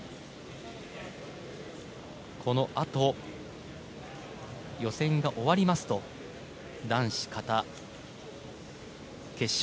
このあと、予選が終わりますと男子形決勝。